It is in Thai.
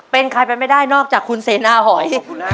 เป็นใครไปไม่ได้นอกจากคุณเสนาหอย